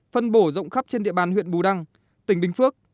phân bổ rộng khắp trên địa bàn huyện bù đăng tỉnh bình phước